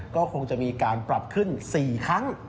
ก็คงจะมีการปรับขึ้น๔ครั้ง